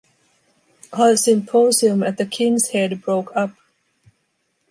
Our symposium at the King's head broke up.